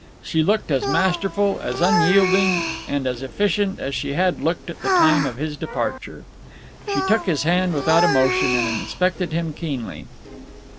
She looked as masterful, as unyielding, and as efficient as she had looked at the time of his departure. She took his hand without emotion and inspected him keenly.